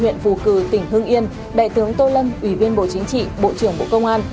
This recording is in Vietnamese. huyện phù cử tỉnh hưng yên đại tướng tô lâm ủy viên bộ chính trị bộ trưởng bộ công an